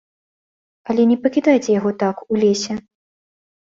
Але не пакідайце яго так, у лесе.